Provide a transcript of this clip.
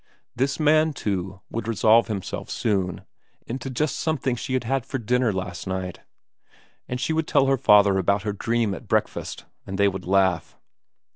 This man, too, would resolve himself soon into just something she had had for dinner last night, and she would tell her father about her dream at breakfast, and they would laugh.